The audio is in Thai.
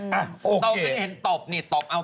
ต้องเป็นเห็นตบนี่ตบเอา